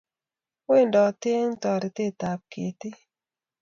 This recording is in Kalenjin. Wendati eng taretet ab ketik